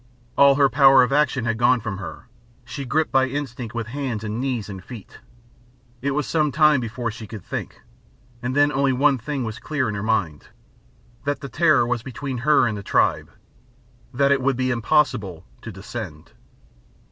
All her power of action had gone from her. She gripped by instinct with hands and knees and feet. It was some time before she could think, and then only one thing was clear in her mind, that the Terror was between her and the tribe that it would be impossible to descend.